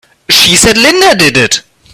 She said Linda did it!